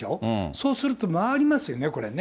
そうすると、回りますよね、これね。